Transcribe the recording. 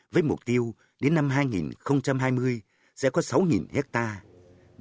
với mục tiêu đến năm hai nghìn hai mươi sẽ có sáu hectare